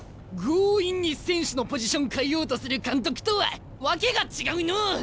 強引に選手のポジション替えようとする監督とは訳が違うのお！